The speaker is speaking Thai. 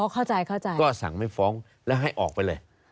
ก็สั่งไม่ฟ้องแล้วให้ออกไปเลย